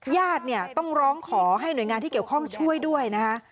ญาติเนี่ยต้องร้องขอให้หน่วยงานที่เกี่ยวข้องช่วยด้วยนะคะ